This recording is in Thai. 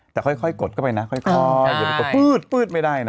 แต่ค่อยกดเข้าไปนะค่อยเดี๋ยวมันก็ปื๊ดไม่ได้นะ